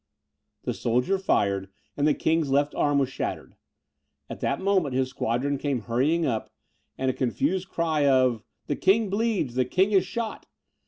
The soldier fired, and the king's left arm was shattered. At that moment his squadron came hurrying up, and a confused cry of "the king bleeds! the king is shot!"